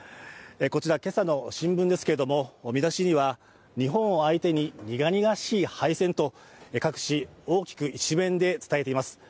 こちら、今朝の新聞ですけれども、見出しには「日本を相手に苦々しい敗戦」と各紙、大きく一面で伝えています。